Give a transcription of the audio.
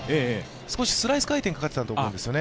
少しスライス回転かかっていたと思うんですよね。